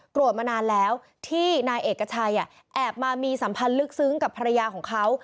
มานานแล้วที่นายเอกชัยแอบมามีสัมพันธ์ลึกซึ้งกับภรรยาของเขา